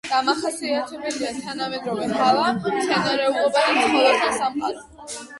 დამახასიათებელია თანამედროვე ჰავა, მცენარეულობა და ცხოველთა სამყარო.